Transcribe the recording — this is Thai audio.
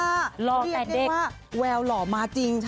ทุกนี่อาจไม่รู้ว่าแววหรอมาจริง